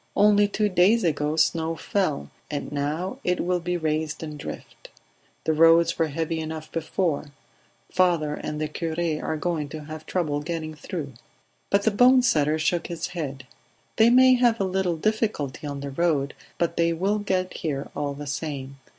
"Only two days ago snow fell, and now it will be raised and drift. The roads were heavy enough before; father and the cure are going to have trouble getting through." But the bone setter shook his head. "They may have a little difficulty on the road, but they will get here all the same.